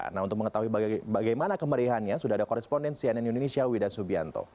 nah untuk mengetahui bagaimana kemerihannya sudah ada korespondensi ann indonesia wida subianto